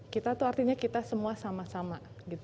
kita itu artinya kita semua sama sama